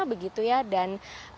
begitu ya dan